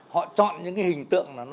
họ chọn những hình tượng rất dễ hiểu